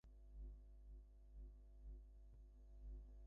আর তুমি তো শুধু ওদের অসফল হওয়াই শেখাতে পেরেছো।